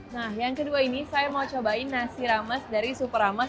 nah yang kedua ini saya mau cobain nasi rames dari super rames